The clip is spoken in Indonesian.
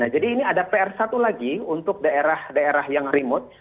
jadi ini ada pr satu lagi untuk daerah daerah yang remote